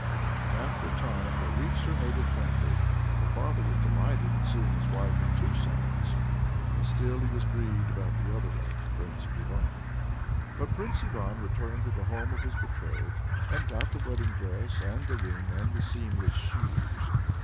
And after a time they reached their native country. Their father was delighted at seeing his wife and his two sons, but still he was grieved about the other one, Prince Ivan. But Prince Ivan returned to the home of his betrothed, and got the wedding dress, and the ring, and the seamless shoes.